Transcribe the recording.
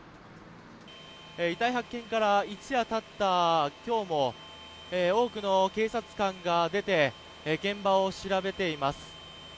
遺体発見から一夜経った今日も多くの警察官が出て現場を調べています。